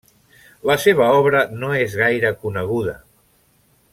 La seva obra no és gaire coneguda.